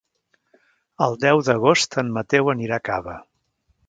El deu d'agost en Mateu anirà a Cava.